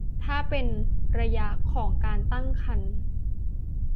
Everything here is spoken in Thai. ถ้าเป็นระยะหลังของการตั้งครรภ์